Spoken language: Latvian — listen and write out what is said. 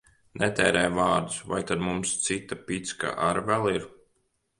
Netērē vārdus! Vai tad mums cita picka ar vēl ir?